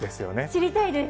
知りたいです。